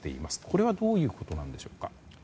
これはどういうことなんでしょうか。